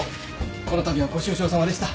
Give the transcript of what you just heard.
この度はご愁傷さまでした。